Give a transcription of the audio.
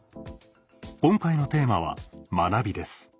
今回のテーマは「学び」です。